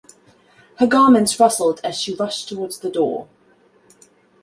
Her garments rustled as she rushed towards the door.